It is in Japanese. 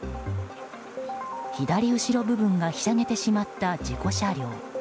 左後ろ部分がひしゃげてしまった事故車両。